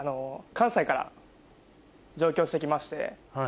関西から上京して来まして。